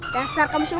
kasar kamu seluas